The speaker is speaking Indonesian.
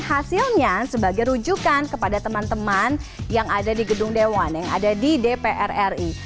hasilnya sebagai rujukan kepada teman teman yang ada di gedung dewan yang ada di dpr ri